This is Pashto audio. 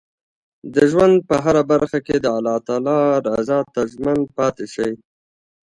د ژوند په هره برخه کې د الله رضا ته ژمن پاتې شئ.